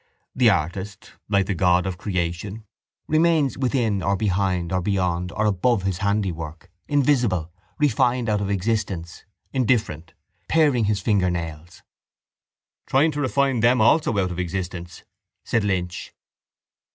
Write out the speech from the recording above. The artist, like the God of creation, remains within or behind or beyond or above his handiwork, invisible, refined out of existence, indifferent, paring his fingernails. —Trying to refine them also out of existence, said Lynch.